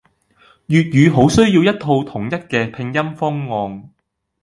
粵語好需要一套統一嘅拼音方案